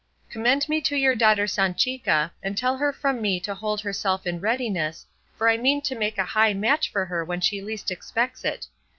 Commend me to your daughter Sanchica, and tell her from me to hold herself in readiness, for I mean to make a high match for her when she least expects it.